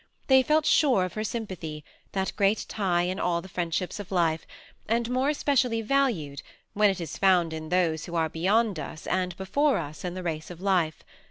They felt sure of her sym pathy, that great tie in all the friendships of life, and more especially valued when it is found in those who are beyond us and before us in the race of life.